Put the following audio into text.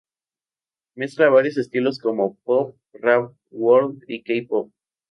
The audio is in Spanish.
Mezcla varios estilos como pop, rap, world, y "K-pop".